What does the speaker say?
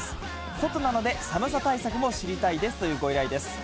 外なので寒さ対策も知りたいですというご依頼です。